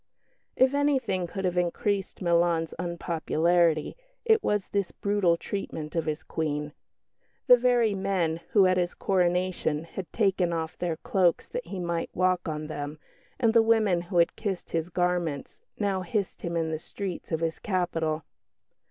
If anything could have increased Milan's unpopularity it was this brutal treatment of his Queen. The very men who, at his coronation, had taken off their cloaks that he might walk on them, and the women who had kissed his garments, now hissed him in the streets of his capital.